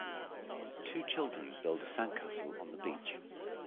Two children build a sand castle on the beach.